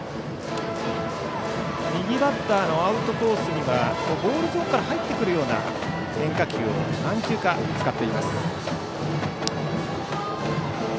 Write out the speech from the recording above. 右バッターのアウトコースにはボールゾーンから入ってくるような変化球を何球か使っています。